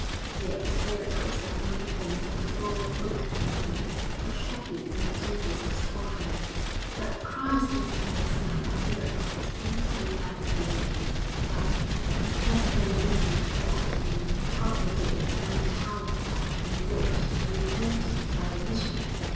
Yet miracles had been performed for smaller folk than he for shepherds and tenders of swine. But Christ himself had said that miracles only came by faith, but Jasper remembered that often the profligate and the harlot had been brought to repentance by a vision.